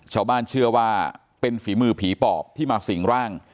ชาวบ้านเชื่อว่าเป็นฝีมือผีปอบที่มาสิ่งร่าง